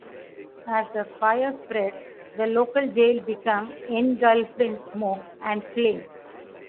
As the fire spread, the local jail became engulfed in smoke and flame.